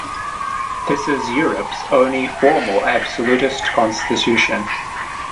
This is Europe's only formal absolutist constitution.